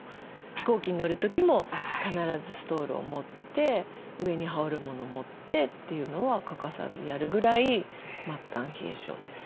飛行機に乗る時も必ずストールを持って上に羽織るもの持ってっていうのは欠かさずやるぐらい末端冷え性です。